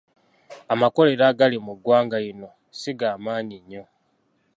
Amakolero agali mu ggwanga lino si ga maanyi nnyo.